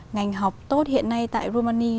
ngành học tốt hiện nay tại kumani